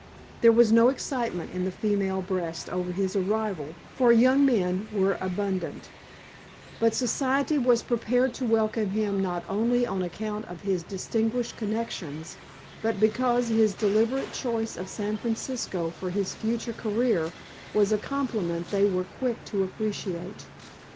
There was no excitement in the female breast over his arrival for young men were abundant; but Society was prepared to welcome him not only on account of his distinguished connections but because his deliberate choice of San Francisco for his future career was a compliment they were quick to appreciate.